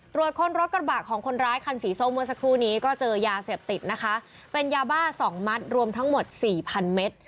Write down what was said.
คนรถกระบะของคนร้ายคันสีส้มเมื่อสักครู่นี้ก็เจอยาเสพติดนะคะเป็นยาบ้าสองมัดรวมทั้งหมดสี่พันเมตร